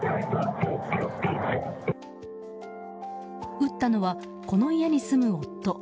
撃ったのは、この家に住む夫。